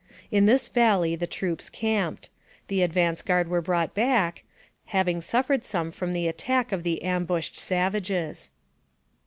In this valley the troops camped; the advance guard were brought back, having suffered some from the attack of the ambushed savages.